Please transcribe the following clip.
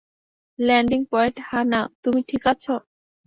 Landing point, -হা-না, তুমি ঠিক আছো?